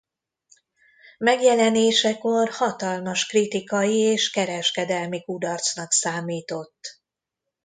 Megjelenésekor hatalmas kritikai és kereskedelmi kudarcnak számított.